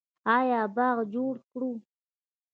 آیا باغ جوړ کړو؟